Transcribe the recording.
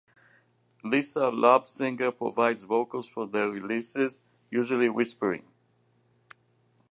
Lisa Lobsinger provides vocals for their releases, usually whispering.